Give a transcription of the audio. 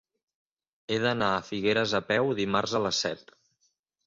He d'anar a Figueres a peu dimarts a les set.